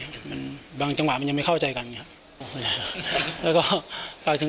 อย่างงี้มันบางจังหวะมันยังไม่เข้าใจกันอย่างงี้ครับแล้วก็ฝากถึง